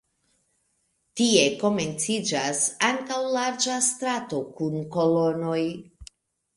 Tie komenciĝas ankaŭ larĝa strato kun kolonoj.